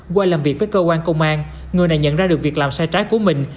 qua làm việc với cơ quan công an người này nhận ra được việc làm sai trái của mình